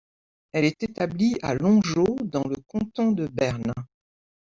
Elle est établie à Longeau dans le canton de Berne.